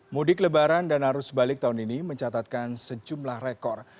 mudik lebaran dan arus balik tahun ini mencatatkan sejumlah rekor